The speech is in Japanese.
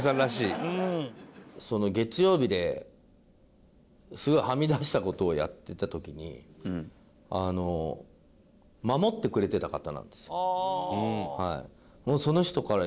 月曜日ですごいはみ出した事をやってた時に守ってくれてた方なんですよ。